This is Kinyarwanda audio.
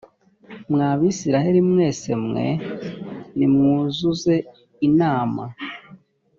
mwa bisirayeli mwese mwe nimwuzuze inama